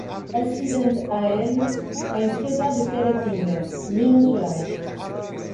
Acidente aéreo em Piedade de Caratinga, Minas Gerais